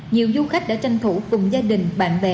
nhiều du khách đã tranh thủ cùng gia đình bạn bè